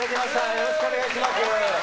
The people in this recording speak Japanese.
よろしくお願いします。